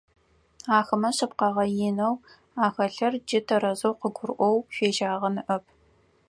Ахэми шъыпкъэгъэ инэу ахэлъыр джы тэрэзэу къыгурыӀоу фежьагъэ ныӀэп.